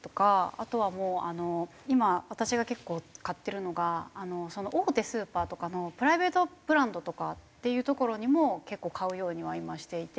あとはもう今私が結構買ってるのが大手スーパーとかのプライベートブランドとかっていうところにも結構買うようには今していて。